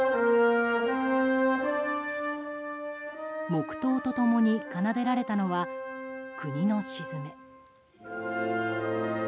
黙祷と共に奏でられたのは「国の鎮め」。